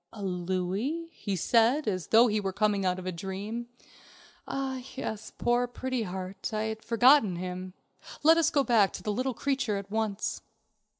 "A louis," he said, as though he were coming out of a dream. "Ah, yes, poor Pretty Heart. I had forgotten him. Let us go back to the little creature at once."